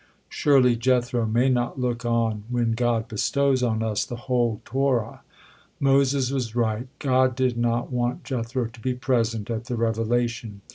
Surely Jethro may not look on when God bestows on us the whole Torah." Moses was right: God did not want Jethro to be present at the revelation.